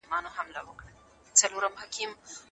سیاستوال چیري د اقلیتونو حقونه لټوي؟